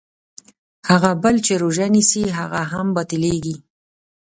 هغه بل چې روژه نیسي هغه هم باطلېږي.